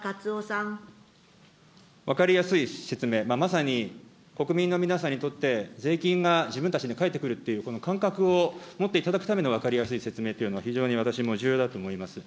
分かりやすい説明、まさに国民の皆さんにとって、税金が自分たちに返ってくるっていう、感覚を持っていただくための分かりやすい説明というのは、非常に私も重要だと思います。